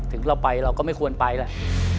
ถึงเราไปเราก็ไม่ควรไปแหละ